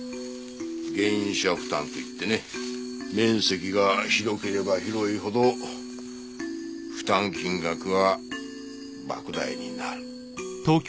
原因者負担といってね面積が広ければ広いほど負担金額は莫大になる。